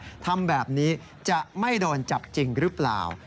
ท่ามกลางความสงสัยว่าทำแบบนี้จะไม่โดนจับจริงหรือเปล่า